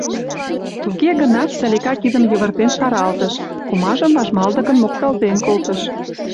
Туге гынат Салика кидым йывыртен шаралтыш, кумажым важмалдыкын мокталтен колтыш: